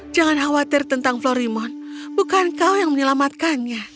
jangan khawatir tentang florimon bukan kau yang menyelamatkannya